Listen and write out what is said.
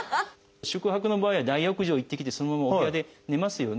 宿泊の場合は大浴場へ行ってきてそのままお部屋で寝ますよね。